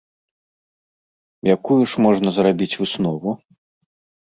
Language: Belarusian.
Якую ж можна зрабіць выснову?